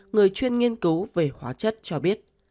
người chuyên nghiên cứu về hóa chất cho biết